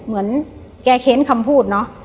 เหมือนแกเค้นคำพูดเนอะ